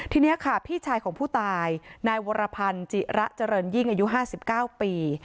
ทีนี้ค่ะพี่ชายของผู้ตายนายวรพันธ์จิระเจริญยิ่งอายุ๕๙ปี